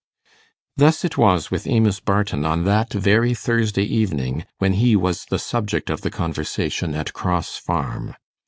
Thus it was with Amos Barton on that very Thursday evening, when he was the subject of the conversation at Cross Farm.